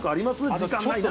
時間ないで。